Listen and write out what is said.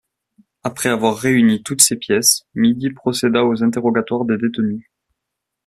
Après avoir réuni toutes ces pièces, Midy procéda aux interrogatoires des détenus.